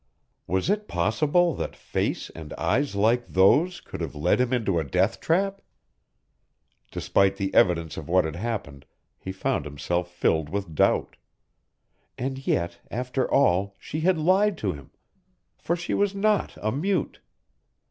Was it possible that face and eyes like those could have led him into a deathtrap! Despite the evidence of what had happened he found himself filled with doubt. And yet, after all, she had lied to him for she was not a mute!